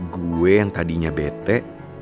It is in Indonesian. gue yang tadinya bete